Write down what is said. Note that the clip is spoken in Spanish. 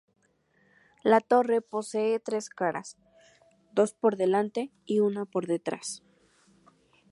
La torre posee tres caras, dos por delante y una por detrás.